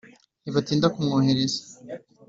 ntibatinda kumwohereza